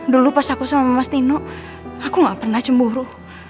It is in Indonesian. dulu pas aku sama mas tino aku gak pernah cemburu